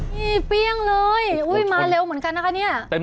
นี่เปรี้ยงเลยมาเร็วเหมือนกันนะคะเนี่ย